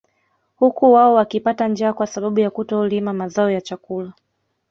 Huku wao wakipata njaa kwa sababu ya kutolima mazao ya chakula